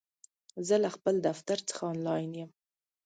زه له خپل دفتر څخه آنلاین یم!